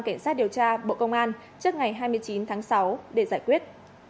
cảnh sát điều tra bộ công an trước ngày hai mươi chín tháng sáu để giải quyết